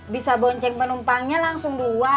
bisa bonceng penumpangnya langsung dua